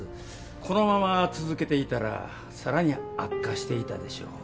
このまま続けていたらさらに悪化していたでしょう